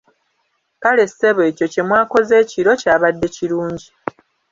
Kale ssebo ekyo kye mwakoze ekiro kyabadde kirungi.